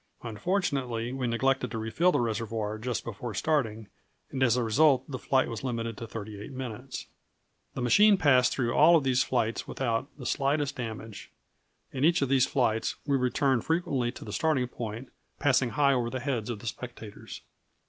Unfortunately, we neglected to refill the reservoir just before starting, and as a result the flight was limited to 38 minutes.... [Illustration: A Wright machine in flight.] "The machine passed through all of these flights without the slightest damage. In each of these flights we returned frequently to the starting point, passing high over the heads of the spectators."